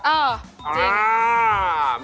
เออจริง